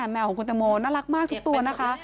แมวของคุณตังโมน่ารักมากทุกตัวนะคะ